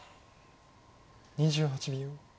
２８秒。